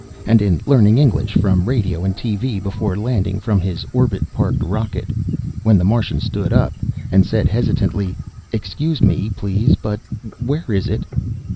and in learning English from radio and TV before landing from his orbit parked rocket, when the Martian stood up and said hesitantly, "Excuse me, please, but where is it?"